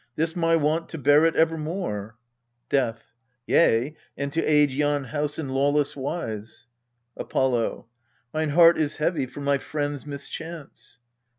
'tis my wont to bear it evermore. Death. Yea, and to aid yon house in lawless wise. Apollo. Mine heart is heavy for my friend's mischance.